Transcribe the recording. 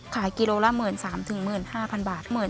ขายกิโลกรัมละ๑๓๐๐๐ถึง๑๕๐๐๐บาท